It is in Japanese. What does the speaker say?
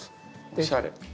おしゃれ。